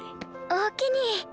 おおきに。